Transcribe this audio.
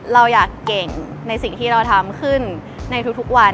เราอยากเก่งในสิ่งที่เราทำขึ้นในทุกวัน